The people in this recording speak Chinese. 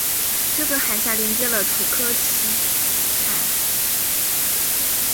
这个海峡连接了楚科奇海。